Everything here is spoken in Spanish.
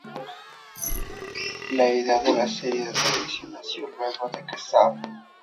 La idea de la serie de televisión nació luego de que Sav!